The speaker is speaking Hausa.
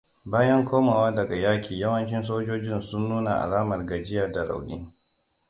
Bayan komowa daga yaƙi yawancin sojojin sun nuna alamar gajiya da rauni.